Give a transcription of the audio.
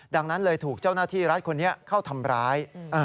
ดังนั้นเลยถูกเจ้าหน้าที่รัฐคนนี้เข้าทำร้าย